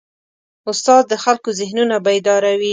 استاد د خلکو ذهنونه بیداروي.